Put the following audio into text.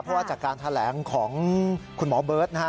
เพราะว่าจากการแถลงของคุณหมอเบิร์ตนะฮะ